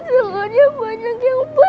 tapi telurnya banyak yang pecah